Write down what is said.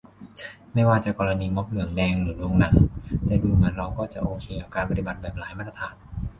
ไม่ว่าจะกรณีม็อบเหลืองแดงหรือโรงหนัง แต่ดูเหมือนเราก็จะโอเคกับการปฏิบัติแบบหลายมาตรฐาน